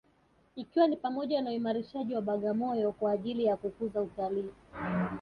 Ikiwa ni pamoja na uimarishaji wa Bagamoyo kwa ajili ya kukuza utalii